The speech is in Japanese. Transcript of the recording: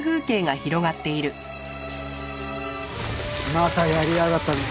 またやりやがったで。